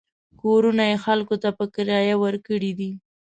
کورونه یې خلکو ته په کرایه ورکړي دي.